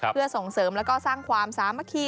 เพื่อส่งเสริมแล้วก็สร้างความสามัคคี